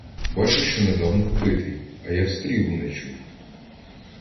Бачу, що недавно вбитий, а я стрілу не чув.